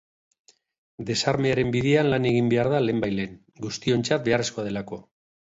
Desarmearen bidean lan egin behar da lehenbailehen, guztiontzat beharrezkoa delako.